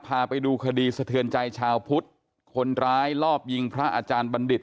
พาไปดูคดีสะเทือนใจชาวพุทธคนร้ายรอบยิงพระอาจารย์บัณฑิต